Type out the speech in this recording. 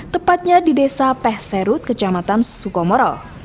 tepatnya di desa peh serut kecamatan sukomoro